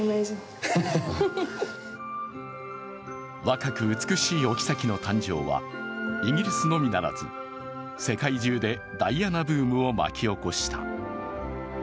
若く美しいおきさきの誕生はイギリスのみならず、世界中でダイアナブームを巻き起こした。